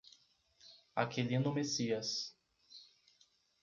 Aquilino Messias